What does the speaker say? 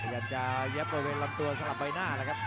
เรื่องรอยล้าน